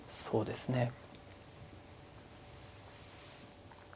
そうですね。